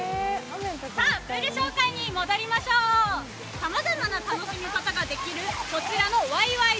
さあ、プール紹介に戻りましょうさまざまな楽しみ方ができるこちらのわいわい